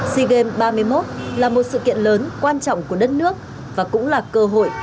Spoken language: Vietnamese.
seagame ba mươi một là một sự kiện lớn quan trọng của đất nước và cũng là cơ hội